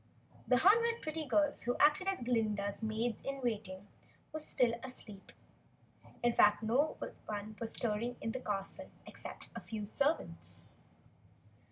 The hundred pretty girls who acted as Glinda's Maids in Waiting were still asleep. In fact no one was stirring in the castle except a few servants.